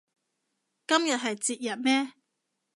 今日係節日咩